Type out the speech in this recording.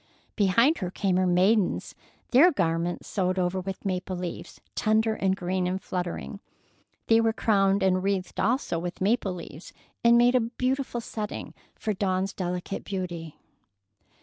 Behind her came her maidens, their garments sewed over with maple leaves, tender and green and fluttering. They were crowned and wreathed also with maple leaves, and made a beautiful setting for Dawn's delicate beauty.